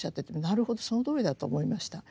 なるほどそのとおりだと思いました。